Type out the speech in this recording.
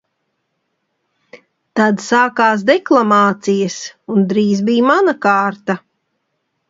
Tad sākās deklamācijas un drīz bija mana kārta.